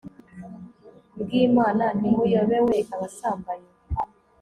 bw imana ntimuyobewe abasambanyi